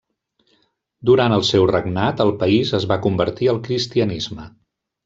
Durant el seu regnat el país es va convertir al cristianisme.